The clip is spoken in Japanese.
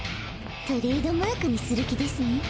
トレードマークにする気ですね。